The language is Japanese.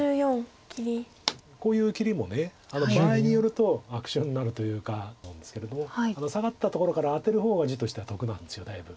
こういう切りも場合によると悪手になるというかなんですけれどもサガったところからアテる方が地としては得なんですだいぶ。